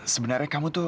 sebenarnya kamu tuh